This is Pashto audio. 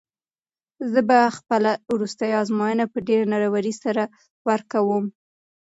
زه به خپله وروستۍ ازموینه په ډېرې نره ورۍ سره ورکوم.